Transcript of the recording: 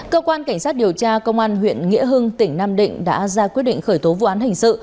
cơ quan cảnh sát điều tra công an huyện nghĩa hưng tỉnh nam định đã ra quyết định khởi tố vụ án hình sự